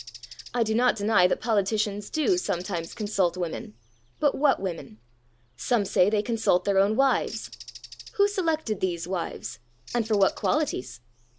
I do not deny that politicians do sometimes consult women, but what women? Some say they consult their own wives; who selected these wives, and for what qualities?